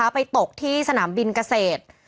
ไปตกที่สนามบินเกษตร